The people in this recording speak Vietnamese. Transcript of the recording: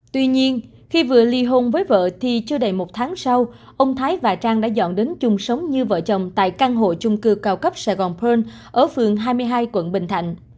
tuy nhiên khi vừa ly hôn với vợ thì chưa đầy một tháng sau ông thái và trang đã dọn đến chung sống như vợ chồng tại căn hộ chung cư cao cấp sài gòn pearl ở phường hai mươi hai quận bình thạnh